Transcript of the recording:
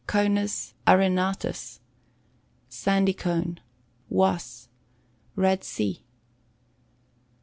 Conus Arenatus. Sandy Cone. Hwass. Red Sea.